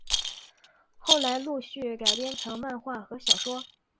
后来陆续改编成漫画和小说。